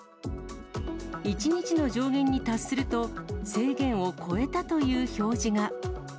１日の上限に達すると、制限を超えたという表示が。